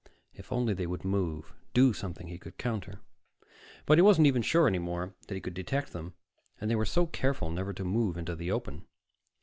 If only they would move, do something he could counter. But he wasn't even sure any more that he could detect them. And they were so careful never to move into the open.